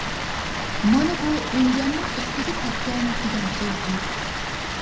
مانا بۇ ئۆلگەننىڭ ئۈستىگە تەپكەن دېگەن سۆزدۇر.